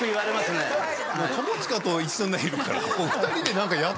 友近と一緒にいるから。